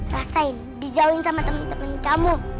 rasain dijauhin sama teman teman kamu